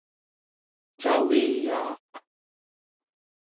caviyaaq